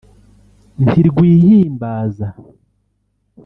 ntirwihimbaza